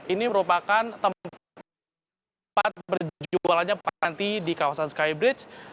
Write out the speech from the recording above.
ini merupakan tempat berjualannya panti di kawasan skybridge